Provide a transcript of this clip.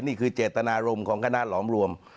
นี่คือเจตนารมณ์ของคณะหลอมรวม